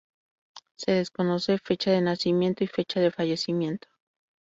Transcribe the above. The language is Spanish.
Se desconocen fecha de nacimiento y fecha de fallecimiento.